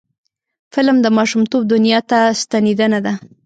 فلم د ماشومتوب دنیا ته ستنیدنه ده